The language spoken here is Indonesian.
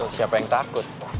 siapa yang takut